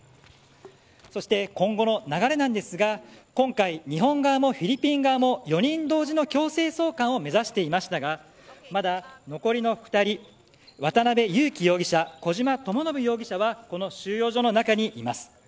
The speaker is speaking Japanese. そして、今後の流れなんですが今回、日本側もフィリピン側も４人同時の強制送還を目指していましたがまだ、残りの２人渡辺優樹容疑者小島智信容疑者はこの収容所の中にいます。